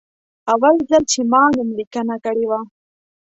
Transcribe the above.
اول ځل چې ما نوملیکنه کړې وه.